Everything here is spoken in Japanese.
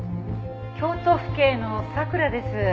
「京都府警の佐倉です」